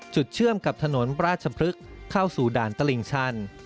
เชื่อมกับถนนราชพฤกษ์เข้าสู่ด่านตลิ่งชัน